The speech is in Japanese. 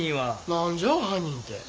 何じゃあ犯人て。